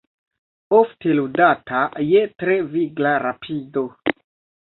Ofte ludata je tre vigla rapido.